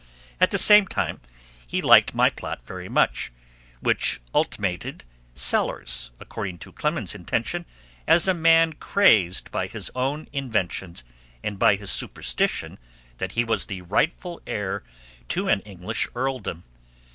At the same time he liked my plot very much, which ultimated Sellers, according to Clemens's intention, as a man crazed by his own inventions and by his superstition that he was the rightful heir to an English earldom.